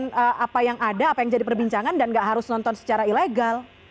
jadi apa yang ada apa yang jadi perbincangan dan gak harus nonton secara ilegal